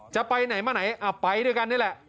จะไปไหนมาไหนไปด้วยกันนี่แหละ